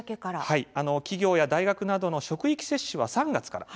企業や大学などの職域接種は３月から。